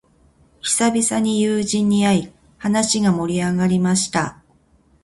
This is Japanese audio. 久々に友人に会い、話が盛り上がりました。